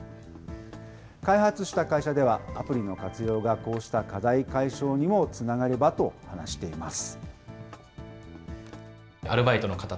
開発した会社では、アプリの活用がこうした課題解消にもつながればと話しています。